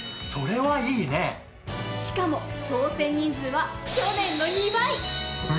しかも当選人数は去年の２倍！